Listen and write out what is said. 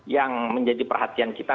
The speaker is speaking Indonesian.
yang menjadi perhatian kita